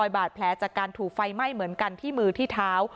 บาดแผลจากการถูกไฟไหม้เหมือนกันที่มือที่เท้า